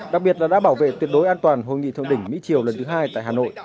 đặc biệt là đã bảo vệ tuyệt đối an toàn hội nghị thượng đỉnh mỹ triều lần thứ hai tại hà nội